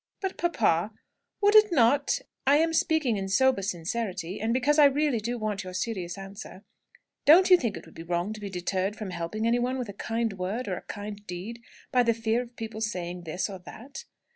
"But, papa, would it not I am speaking in sober sincerity, and because I really do want your serious answer don't you think it would be wrong to be deterred from helping anyone with a kind word or a kind deed, by the fear of people saying this or that?"